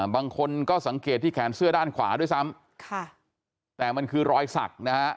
บางคนก็สังเกตที่แขนเสื้อด้านขวาด้วยซ้ำค่ะแต่มันคือรอยสักนะฮะ